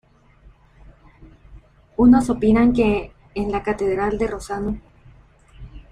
Unos opinan que en la catedral de Rossano.